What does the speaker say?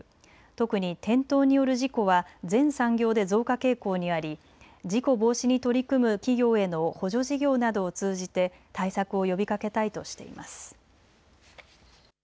特に転倒による事故は全産業で増加傾向にあり事故防止に取り組む企業への補助事業などを通じて対策を呼びかけたいとしています。